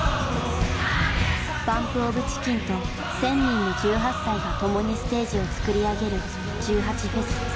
ＢＵＭＰＯＦＣＨＩＣＫＥＮと１，０００人の１８歳が共にステージを作り上げる１８祭。